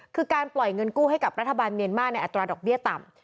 คือการปล่อยเงินกู้ให้กับรัฐบาลเมียนมาร์ในอัตราดอกเบี้ยต่ำ